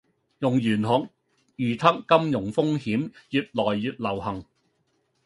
用玄學預測金融風險愈來愈流行